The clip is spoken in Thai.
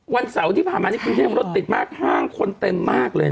วันเสาร์ที่ผ่านมานี่กรุงเทพรถติดมากห้างคนเต็มมากเลยนะ